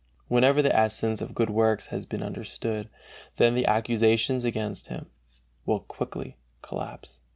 Whenever the essence of good works has been understood, then the accusations against him will quickly collapse.